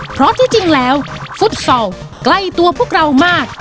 เพราะที่จริงแล้วฟุตซอลใกล้ตัวพวกเรามาก